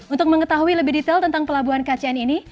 untuk mengetahui lebih detail tentang pelabuhan kcn ini